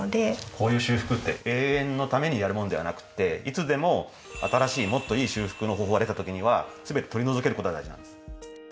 こういう修復って永遠のためにやるものではなくていつでも新しいもっといい修復の方法が出た時には全て取り除けることが大事なんです。